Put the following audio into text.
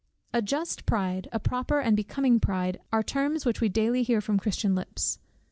A just pride, a proper and becoming pride, are terms which we daily hear from Christian lips.